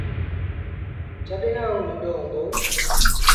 جڏهيݩ آئوٚݩ ننڍو هُݩدو۔